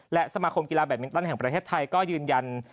และสมาคมกีฬาแบตมินตันแห่งประเทศไทยก็ยืนยัน